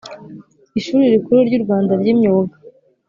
Ishuri Rikuru ryuRwanda ryImyuga